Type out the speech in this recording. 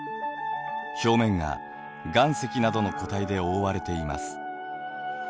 表面が岩石などの固体で覆われています。